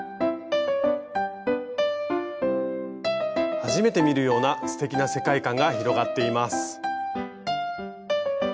初めて見るようなすてきな世界観が広がっています。